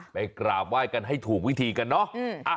ไปกราบไหว้กันให้ถูกวิธีกันเนาะ